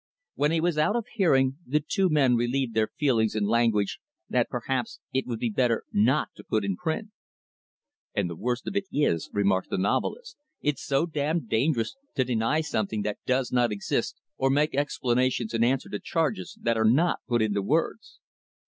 When he was out of hearing the two men relieved their feelings in language that perhaps it would be better not to put in print. "And the worst of it is," remarked the novelist, "it's so damned dangerous to deny something that does not exist or make explanations in answer to charges that are not put into words."